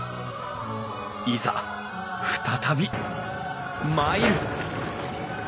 いざ再び参る！